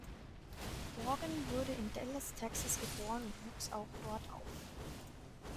Vaughan wurde in Dallas, Texas geboren und wuchs auch dort auf.